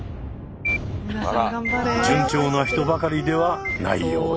順調な人ばかりではないようで。